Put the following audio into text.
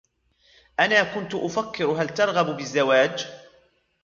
أنا كنت أفكر هل ترغب بالزواج؟